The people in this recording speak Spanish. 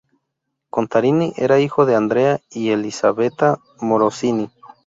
Contarini era hijo de Andrea y Elisabetta Morosini.